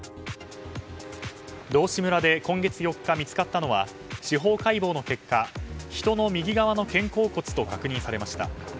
道志村で今月４日見つかったのは司法解剖の結果、人の右側の肩甲骨と確認されました。